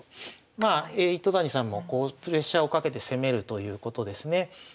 まあ糸谷さんもプレッシャーをかけて攻めるということですね。